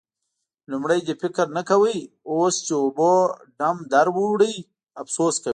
لومړی دې فکر نه کاوو؛ اوس چې اوبو ډم در وړ، افسوس کوې.